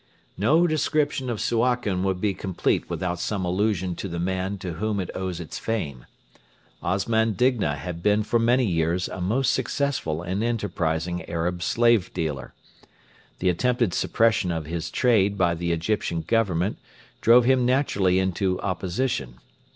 No description of Suakin would be complete without some allusion to the man to whom it owes its fame. Osman Digna had been for many years a most successful and enterprising Arab slave dealer. The attempted suppression of his trade by the Egyptian Government drove him naturally into opposition.